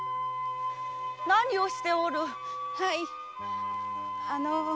何をしておる？